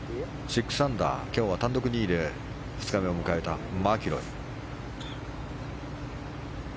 ６アンダー、今日は単独２位で２日目を迎えたマキロイ。